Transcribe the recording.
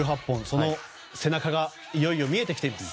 その背中がいよいよ見えてきています。